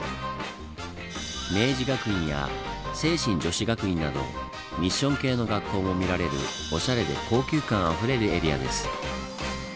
明治学院や聖心女子学院などミッション系の学校も見られるおしゃれで高級感あふれるエリアです。